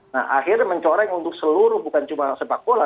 nah akhirnya mencoreng untuk seluruh bukan cuma sepak bola